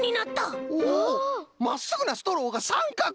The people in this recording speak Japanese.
まっすぐなストローがさんかくに！